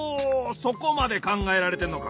そこまでかんがえられてんのか。